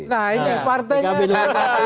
nah ini partainya